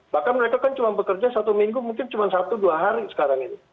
bahkan mereka kan cuma bekerja satu minggu mungkin cuma satu dua hari sekarang ini